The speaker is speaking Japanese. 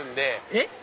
えっ？